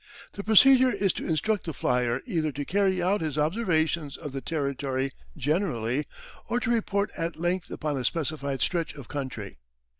The procedure is to instruct the flier either to carry out his observations of the territory generally, or to report at length upon a specified stretch of country.